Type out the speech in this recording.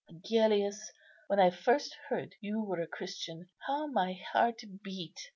Agellius, when I first heard you were a Christian, how my heart beat!